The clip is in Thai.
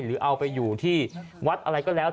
หรือเอาไปอยู่ที่วัดอะไรก็แล้ว